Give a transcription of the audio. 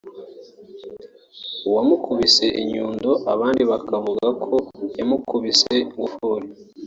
wamukubise inyundo abandi bakavuga ko yamukubise ingufuri